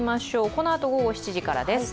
このあと午後７時からです。